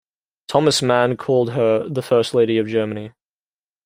Thomas Mann called her "The First Lady of Germany".